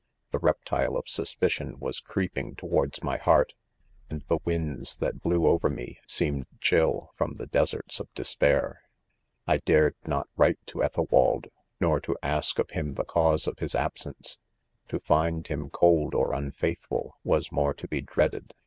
The reptile of suspicion was creeping towards my heart, and the winds that blew over me, seemed chill from the des erts of despair. * 1 dared not write to Eth'elwald, nor to ask of him the cause of his absence "5 to find him cold .or unfaithful was more to be dreaded